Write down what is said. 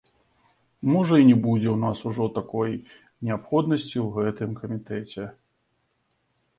Можа, і не будзе ў нас ўжо такой неабходнасці ў гэтым камітэце.